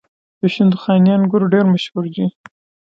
د شندخاني انګور ډیر مشهور دي.